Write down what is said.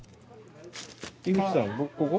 井口さん僕ここ？